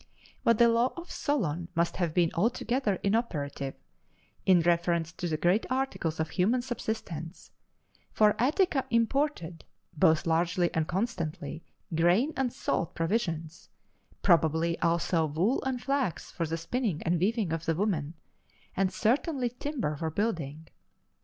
But the law of Solon must have been altogether inoperative, in reference to the great articles of human subsistence; for Attica imported, both largely and constantly, grain and salt provisions, probably also wool and flax for the spinning and weaving of the women, and certainly timber for building.